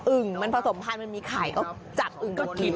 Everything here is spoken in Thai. อึ่งมันผสมภาพมันมีไข่ก็จัดอึ่งมากิน